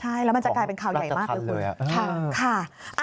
ใช่แล้วมันจะกลายเป็นข่าวใหญ่มากเลยคุณค่ะ